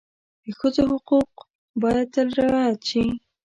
د ښځو حقوق باید تل رعایت شي.